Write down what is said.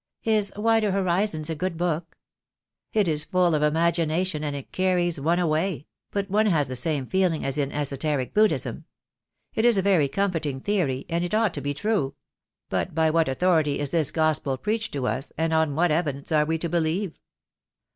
"Is 'Wider Horizons' a good book?" "It is full of imagination, and it carries one away; but one has the same feeling as in 'Esoteric Buddhism.' It is a very comforting theory, and it ought to be true; but by what authority is this gospel preached to us, and on what evidence are we to believe?"